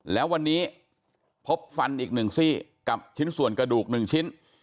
แล้ววันนี้พบฟันอีก๑ซี่กับชิ้นส่วนกระดูก๑ชิ้น